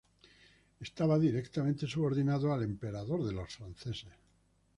Estaba directamente subordinado al Emperador de los Franceses.